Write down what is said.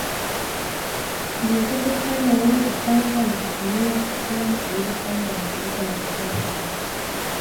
Ni wachache sana wenye kupanga na kutumia kama ilivyopangwa na kuleta matokeo chanya